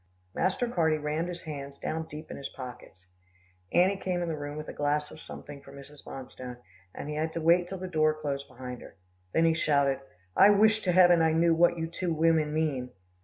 Master Carty rammed his hands down deep in his pockets. Annie came in the room with a glass of something for Mrs. Bonstone, and he had to wait till the door closed behind her. Then he shouted, "I wish to heaven I knew what you two women mean."